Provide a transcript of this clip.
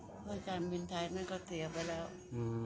เพราะการบินไทยมันก็เสียไปแล้วอือ